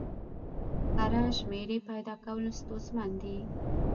کره شمېرې پیدا کول ستونزمن دي.